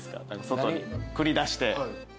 外に繰り出して。